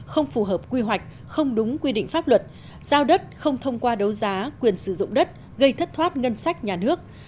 không phù hợp quy hoạch không đúng quy định pháp luật giao đất không thông qua đấu giá quyền sử dụng đất gây thất thoát ngân sách nhà nước